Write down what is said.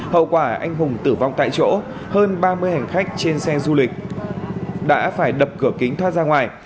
hậu quả anh hùng tử vong tại chỗ hơn ba mươi hành khách trên xe du lịch đã phải đập cửa kính thoát ra ngoài